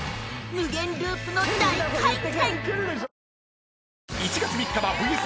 ［無限ループの大回転］